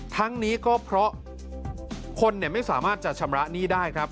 ทั้งนี้ก็เพราะคนไม่สามารถจะชำระหนี้ได้ครับ